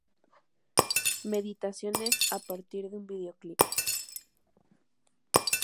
Meditaciones a partir de un video clip".